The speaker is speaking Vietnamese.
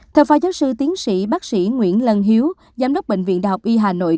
theo phó giáo sư tiến sĩ bác sĩ nguyễn lân hiếu giám đốc bệnh viện đại học y hà nội